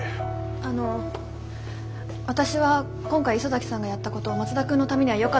あの私は今回磯崎さんがやったこと松田君のためにはよかったと思います。